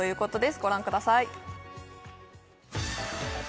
ご覧ください